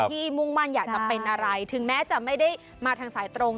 มุ่งมั่นอยากจะเป็นอะไรถึงแม้จะไม่ได้มาทางสายตรง